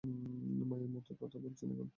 মায়ের মতোই কথা বলছেন এখন!